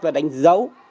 và đánh dấu